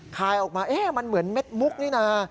คายออกมาเอ๊ะมันเหมือนเม็ดมุกนี่นะ